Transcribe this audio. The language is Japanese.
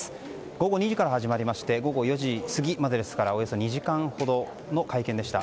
午後２時から始まりまして午後４時過ぎまでですからおよそ２時間ほどの会見でした。